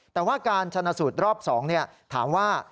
แต่ว่าการชนะสูตรรอบ๒ถามว่า